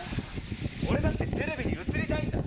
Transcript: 俺だってテレビに映りたいんだ。